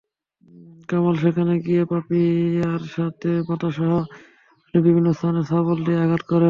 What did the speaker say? কামাল সেখানে গিয়ে পাপিয়ার মাথাসহ শরীরের বিভিন্ন স্থানে শাবল দিয়ে আঘাত করেন।